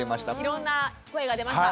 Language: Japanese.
いろんな声が出ました。